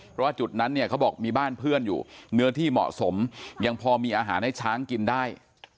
เพราะว่าจุดนั้นเนี่ยเขาบอกมีบ้านเพื่อนอยู่เนื้อที่เหมาะสมยังพอมีอาหารให้ช้างกินได้